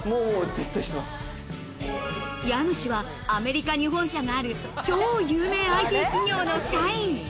家主はアメリカに本社がある、超有名ＩＴ企業の社員。